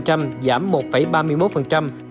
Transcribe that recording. trong khi nasdaq composite giảm một tám mươi sáu